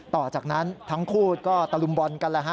ต่อจากนั้นทั้งคู่ก็ตะลุมบอนกัน